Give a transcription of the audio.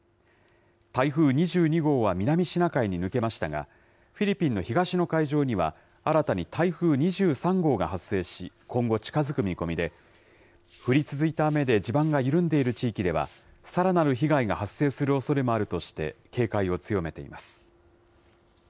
台風２２号は南シナ海に抜けましたが、フィリピンの東の海上には、新たに台風２３号が発生し、今後、近づく見込みで、降り続いた雨で地盤が緩んでいる地域では、さらなる被害が発生するおそれもあるとして、警戒を強めています。